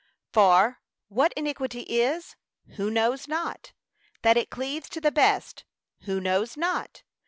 For, What iniquity is, who knows not? That it cleaves to the best, who knows not?